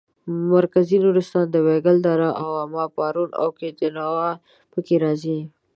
مرکزي نورستان وایګل دره واما پارون او کنتیوا پکې راځي.